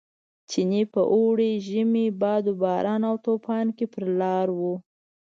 چیني په اوړي، ژمي، باد و باران او توپان کې پر لار و.